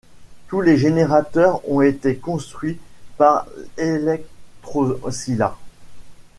Tous les générateurs ont été construits par Elektrosila.